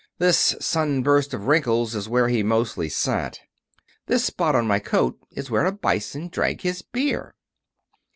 This sunburst of wrinkles is where he mostly sat. This spot on my coat is where a Bison drank his beer."